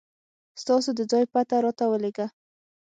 ستاسو د ځای پته راته ولېږه